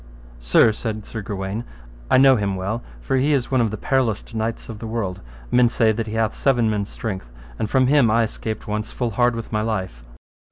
Sir, said Sir Gawaine, I know him well, for he is one of the perilloust knights of the world; men say that he hath seven men's strength, and from him I escaped once full hard with my life.